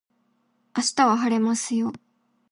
明日は晴れますよ